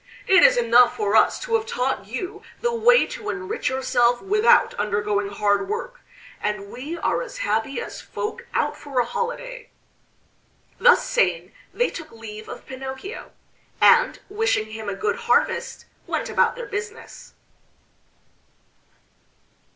"It is enough for us to have taught you the way to enrich yourself without undergoing hard work, and we are as happy as folk out for a holiday." Thus saying they took leave of Pinocchio, and wishing him a good harvest went about their business.